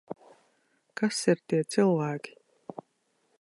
Kas ir tie cilvēki?